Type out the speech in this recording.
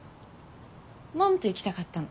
マムと行きたかったの。